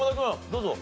どうぞ。